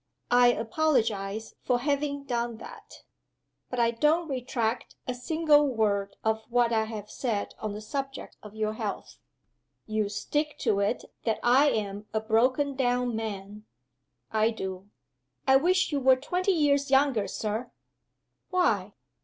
I apologize for having done that. But I don't retract a single word of what I have said on the subject of your health." "You stick to it that I'm a broken down man?" "I do." "I wish you were twenty years younger, Sir!" "Why?"